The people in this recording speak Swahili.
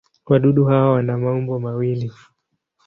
Wadudu hawa wana maumbo mawili.